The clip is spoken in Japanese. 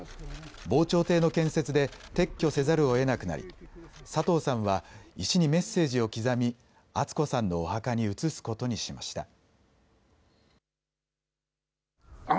防潮堤の建設で撤去せざるをえなくなり佐藤さんは石にメッセージを刻み厚子さんのお墓に移すことにしました。